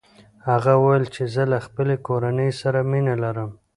هغه وویل چې زه له خپلې کورنۍ سره مینه لرم.